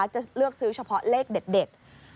จะเลือกซื้อเฉพาะเลขเด็ด